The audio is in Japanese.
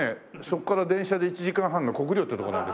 そこから電車で１時間半の国領っていう所なんです。